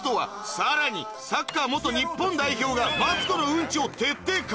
さらにサッカー日本代表がマツコのうんちを徹底解明